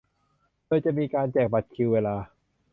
โดยจะมีการแจกบัตรคิวเวลา